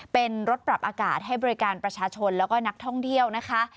เป็นรถปรับอากาศให้บริการประชาชนแล้วก็นักท่องเที่ยวนะคะ